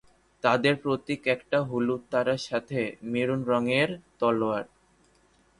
তাদের প্রতীক একট হলুদ তারার সাথে মেরুন রঙের তলোয়ার।